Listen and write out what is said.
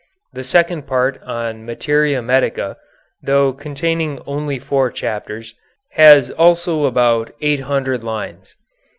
The second part on materia medica, though containing only four chapters, has also about 800 lines.